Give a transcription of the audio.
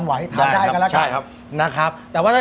ไหวทานได้กันแล้วกันนะครับแต่ว่าถ้า